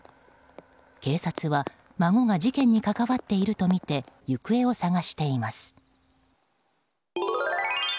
警察は孫が事件に関わっているとみて行方を捜しています。